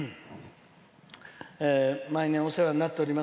「毎年お世話になっております